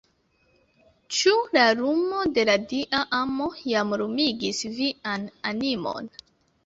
Ĉu la lumo de la Dia amo jam lumigis vian animon?